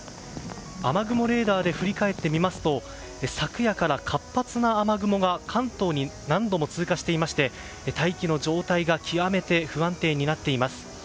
雨雲レーダーで振り返りますと昨夜から活発な雨雲が関東に何度も通過していまして大気の状態が極めて不安定になっています。